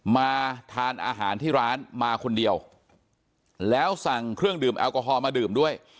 มาทานอาหารที่ร้านมาคนเดียวแล้วสั่งเครื่องดื่มแอลกอฮอลมาดื่มด้วย